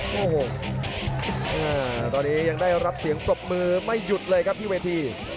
โอ้โหตอนนี้ยังได้รับเสียงปรบมือไม่หยุดเลยครับที่เวที